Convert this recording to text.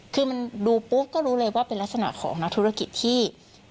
คือมันดูปุ๊บก็รู้เลยว่าเป็นลักษณะของนักธุรกิจที่